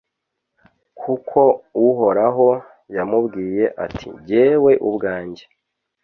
kuko uhoraho yamubwiye ati jyewe ubwanjye